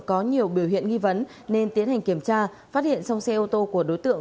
có nhiều biểu hiện nghi vấn nên tiến hành kiểm tra phát hiện trong xe ô tô của đối tượng